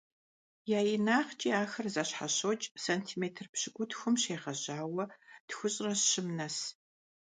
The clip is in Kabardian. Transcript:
Я инагъкIи ахэр зэщхьэщокI сантиметр пщыкIутхум щегъэжьауэ тхущIрэ щым нэс.